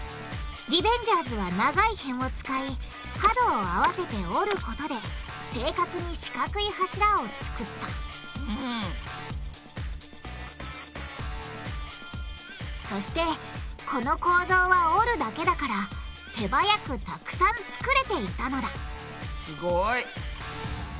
リベンジャーズは長い辺を使い角を合わせて折ることで正確に四角い柱を作ったそしてこの構造は折るだけだから手早くたくさん作れていたのだすごい！